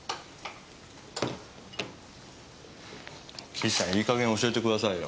岸さんいい加減教えてくださいよ。